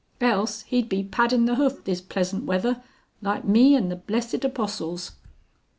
Else he'd be paddin' the hoof this pleasant weather like me and the blessed Apostles."